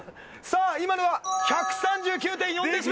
さあ今のは１３９．４デシベル。